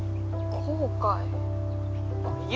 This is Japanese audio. こうかい？